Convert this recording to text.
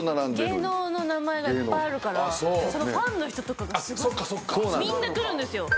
芸能の名前がいっぱいあるからそのファンの人とかがみんな来るんですよ。